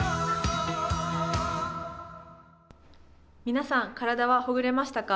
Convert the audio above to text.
皆さん体はほぐれましたか？